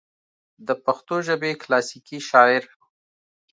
دَپښتو ژبې کلاسيکي شاعر